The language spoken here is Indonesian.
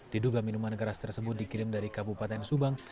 diduga minuman keras tersebut dikirim dari kabupaten subang